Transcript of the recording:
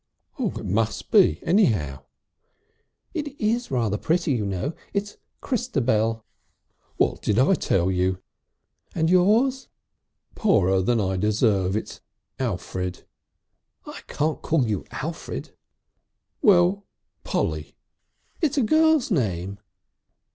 "It must be anyhow." "It is rather pretty you know it's Christabel." "What did I tell you?" "And yours?" "Poorer than I deserve. It's Alfred." "I can't call you Alfred." "Well, Polly." "It's a girl's name!"